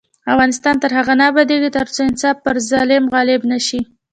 افغانستان تر هغو نه ابادیږي، ترڅو انصاف پر ظلم غالب نشي.